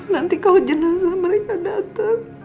nanti kalau jenazah mereka datang